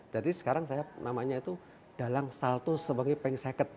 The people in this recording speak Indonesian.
jadi sekarang saya namanya itu dalang salto sebagai pengseket